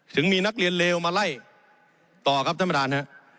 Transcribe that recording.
ถึงมีนักเรียนเลวมาไล่ต่อครับท่านประธานฮะ